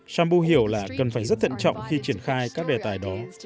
sambu hiểu là cần phải rất thận trọng khi triển khai các đề tài đó